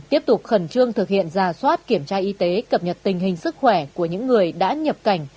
tiếp tục khẩn trương thực hiện giả soát kiểm tra y tế cập nhật tình hình sức khỏe của những người đã nhập cảnh